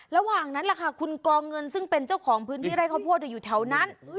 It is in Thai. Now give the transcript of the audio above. ระหว่างนั้นแหละค่ะคุณกองเงินซึ่งเป็นเจ้าของพื้นที่ไร่ข้าวโพดอยู่แถวนั้น